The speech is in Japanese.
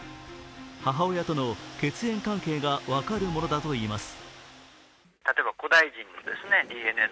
母親との血縁関係が分かるものだといいます。